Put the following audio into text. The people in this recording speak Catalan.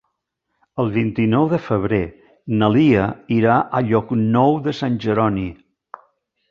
El vint-i-nou de febrer na Lia irà a Llocnou de Sant Jeroni.